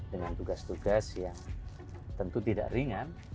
dengan tugas tugas yang tentu tidak ringan